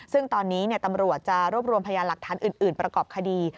ซึ่งตอนนี้ตำรวจจะรวบรวมพยานหลักฐานอื่นประกอบคดี